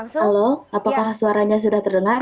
halo apakah suaranya sudah terdengar